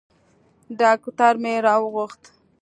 ډاکتر مې راوغوښت.